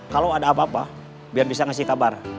kalau ada apa apa biar bisa ngasih kabar